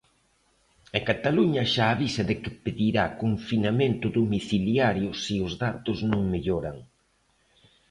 E Cataluña xa avisa de que pedirá confinamento domiciliario se os datos non melloran.